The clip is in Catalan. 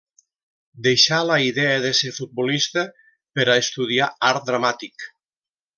Deixà la idea de ser futbolista per a estudiar art dramàtic.